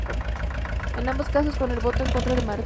En ambos casos, con el voto en contra de Martel.